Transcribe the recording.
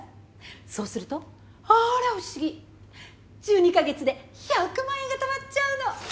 そうするとあら不思議１２カ月で１００万円がたまっちゃうの。